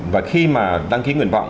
và khi mà đăng ký nguyện vọng